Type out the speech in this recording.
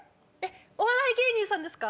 お笑い芸人さんですか？